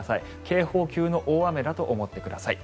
警報級の大雨だと思ってください。